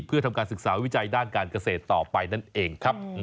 เพื่อทำการศึกษาวิจัยด้านการเกษตรต่อไปนั่นเองครับ